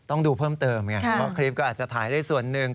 ต้องดูเพิ่มเติมไงเพราะคลิปก็อาจจะถ่ายได้ส่วนหนึ่ง